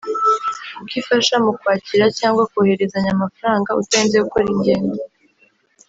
kuko ifasha mu kwakira cyangwa kohererezanya amafaranga utarinze gukora ingendo